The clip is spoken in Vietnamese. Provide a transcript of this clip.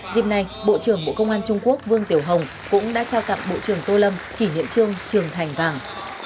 dịp này bộ trưởng bộ công an trung quốc vương tiểu hồng cũng đã trao tặng bộ trưởng tô lâm kỷ niệm trương trường thành vàng